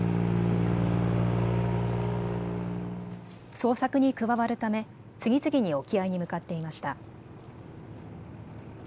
捜索に加わるため次々に沖合に向かっていました。